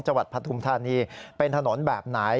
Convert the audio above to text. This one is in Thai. จวดพระทุมธานีเป็นถนนแบบไหน